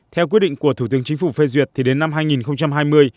theo quyết định của thủ tướng chính phủ phê duyệt thì đến năm hai nghìn hai mươi